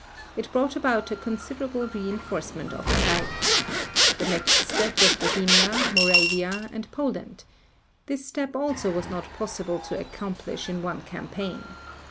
It brought about a considerable reinforcement of the Reich. The next step was Bohemia, Moravia, and Poland. This step also was not possible to accomplish in one campaign.